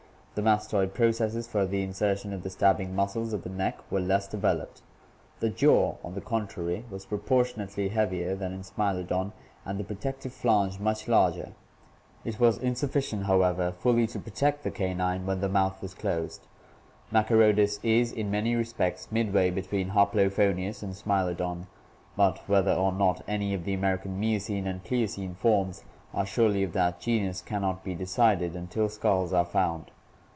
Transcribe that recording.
The mastoid processes for the insertion of the stabbing muscles of the neck were less developed. The jaw, on the contrary, was proportionately heavier than in Smilodon and the protective flange much larger. It was insufficient, however, fully to protect the canine when the mouth was closed. Macharo dus is in many respects midway between Hoplophoneus and Smilo don, but whether or not any of the American Miocene and Pliocene forms are surely of that genus can not be decided until skulls are found.